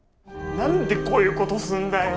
何でこういうことすんだよ。